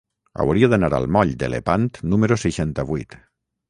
Hauria d'anar al moll de Lepant número seixanta-vuit.